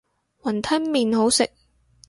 雲吞麵好食